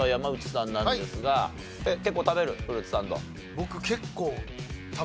僕結構。